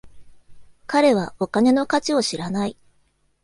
彼はお金の価値を知らない。